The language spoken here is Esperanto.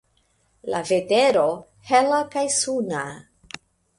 La vetero: hela kaj suna.